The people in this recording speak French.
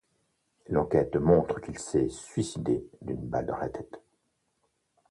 L'enquête montre qu'il s'est suicidé d'une balle dans la tête.